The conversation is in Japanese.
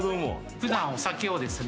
普段お酒をですね